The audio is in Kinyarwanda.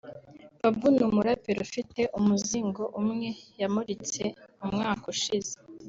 Babou ni umuraperi ufite umuzingo umwe yamuritse mu mwaka ushize